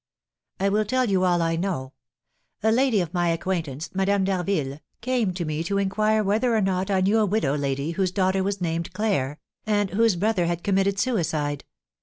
"I will tell you all I know. A lady of my acquaintance, Madame d'Harville, came to me to inquire whether or not I knew a widow lady whose daughter was named Claire, and whose brother had committed suicide.